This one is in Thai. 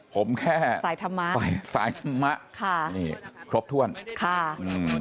ผมแค่สายธรรมะไปสายธรรมะค่ะนี่ครบถ้วนค่ะอืม